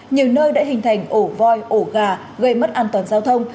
nhiều nơi đã hình thành ổ voi ổ gà gây mất an toàn giao thông